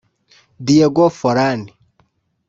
Diego Forlán